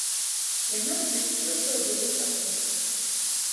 Яна размясцілася ў былым садку.